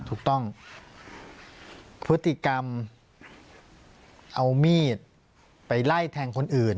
ถูกต้องพฤติกรรมเอามีดไปไล่แทงคนอื่น